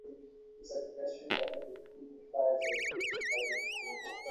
Helmet দিয়ে একজন পুলিশকে পেটানো হচ্ছে, রাইফেল দিয়ে হত্যার চেষ্টা করছে।